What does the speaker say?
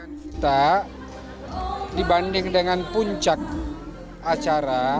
kasus harian kita dibanding dengan puncak acara